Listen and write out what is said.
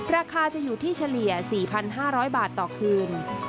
ราคาจะอยู่ที่เฉลี่ย๔๕๐๐บาทต่อคืน